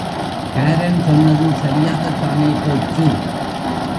காரன் சொன்னது சரியாகத்தானே போச்சு!